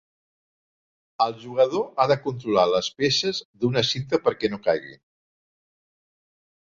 El jugador ha de controlar les peces d'una cinta perquè no caiguin.